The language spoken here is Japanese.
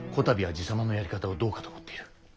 たびは爺様のやり方をどうかと思っている。